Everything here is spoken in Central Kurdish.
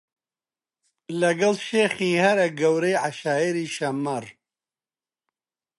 لەگەڵ شێخی هەرە گەورەی عەشایری شەممەڕ